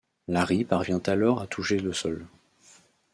Larry parvient alors à toucher le sol.